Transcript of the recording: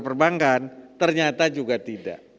perbankan ternyata juga tidak